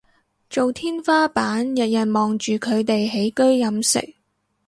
做天花板日日望住佢哋起居飲食